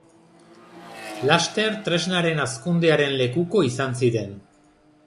Laster tresnaren hazkundearen lekuko izan ziren.